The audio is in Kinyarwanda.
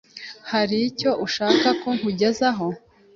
Hari icyo ushaka ko nkugezaho?